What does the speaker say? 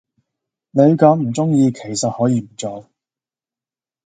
你咁唔鐘意其實可以唔做